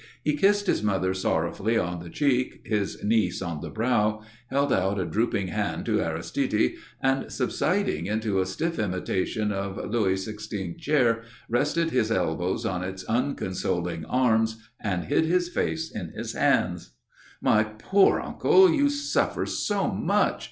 He kissed his mother sorrowfully on the cheek, his niece on the brow, held out a drooping hand to Aristide, and, subsiding into a stiff imitation Louis XVI chair, rested his elbows on its unconsoling arms and hid his face in his hands. "My poor uncle! You suffer so much?"